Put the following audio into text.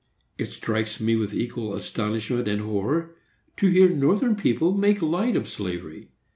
It strikes me with equal astonishment and horror to hear Northern people make light of slavery.